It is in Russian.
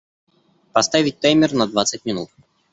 Поставить таймер на двадцать минут.